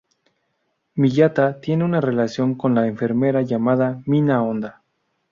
Miyata tenía una relación con la enfermera llamada Mina Onda.